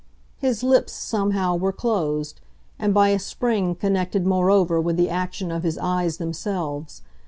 His lips, somehow, were closed and by a spring connected moreover with the action of his eyes themselves.